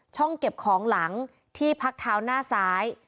เก็บของหลังที่พักเท้าหน้าซ้าย